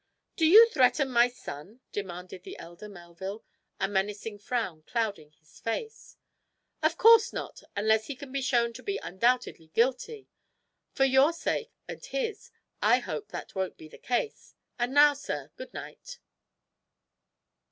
"Do you threaten my son?" demanded the elder Melville, a menacing frown clouding his face. "Of course not unless he can be shown to be undoubtedly guilty. For your sake and his I hope that won't be the case. And now, sir, good night."